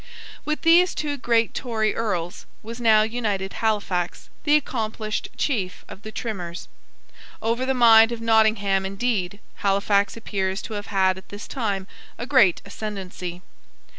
With these two great Tory Earls was now united Halifax, the accomplished chief of the Trimmers. Over the mind of Nottingham indeed Halifax appears to have had at this time a great ascendency.